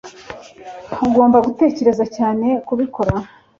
Ugomba gutekereza cyane kubikora